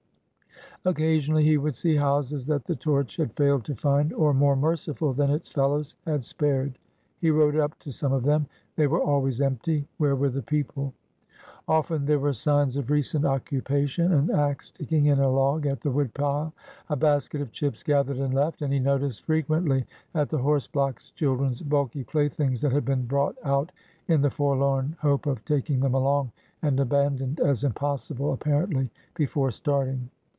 Occasionally he would see houses that the torch had failed to find, or, more merciful than its fellows, had spared. He rode up to some of them. They were always empty. Where were the people? Often there were signs of recent occupation,— an ax sticking in a log at the wood pile, a basket of chips gath ered and left; and he noticed frequently at the horse blocks children's bulky playthings that had been brought out in the forlorn hope of taking them along, and aban doned as impossible, apparently, before starting.